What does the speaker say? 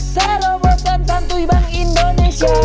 serobosan santui bank indonesia